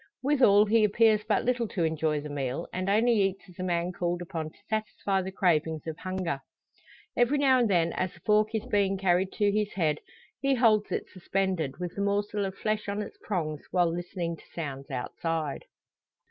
Withal, he appears but little to enjoy the meal, and only eats as a man called upon to satisfy the cravings of hunger. Every now and then, as the fork is being carried to his head, he holds it suspended, with the morsel of flesh on its prongs, while listening to sounds outside!